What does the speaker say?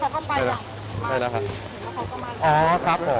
เห็นว่าเขาเข้าไปแล้ว